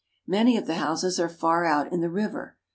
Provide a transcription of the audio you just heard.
Many of the houses are far out in the river.